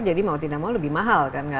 jadi mau tidak mau lebih mahal